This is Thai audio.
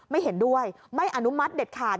ไม่เห็นด้วยไม่อนุมัติเด็ดขาด